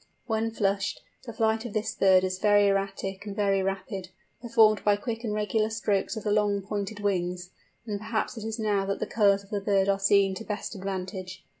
When flushed, the flight of this bird is very erratic and very rapid, performed by quick and regular strokes of the long pointed wings; and perhaps it is now that the colours of the bird are seen to best advantage.